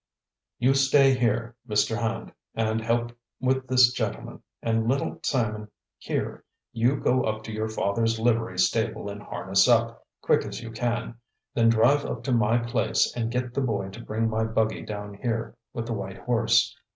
"You stay here, Mr. Hand, and help with this gentleman; and Little Simon, here, you go up to your father's livery stable and harness up, quick as you can. Then drive up to my place and get the boy to bring my buggy down here, with the white horse.